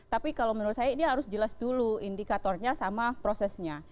tapi kalau menurut saya ini harus jelas dulu indikatornya sama prosesnya